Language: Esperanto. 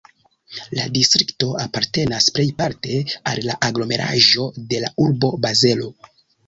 La distrikto apartenas plejparte al la aglomeraĵo de la urbo Bazelo.